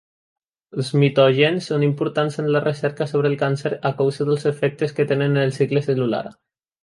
Els mitògens són importants en la recerca sobre el càncer a causa dels efectes que tenen en el cicle cel·lular.